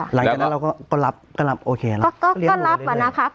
หลังจากนั้นเราก็รับก็รับโอเคแล้วก็รับอะนะคะ